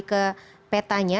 kita akan kembali ke petanya